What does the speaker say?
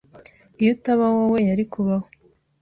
Iyo utaba wowe, yari kubaho.